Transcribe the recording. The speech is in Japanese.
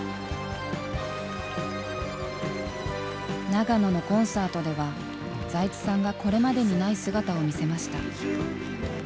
長野のコンサートでは財津さんがこれまでにない姿を見せました。